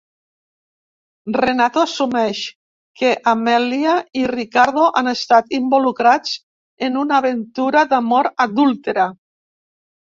Renato assumeix que Amelia i Riccardo han estat involucrats en una aventura d'amor adúltera.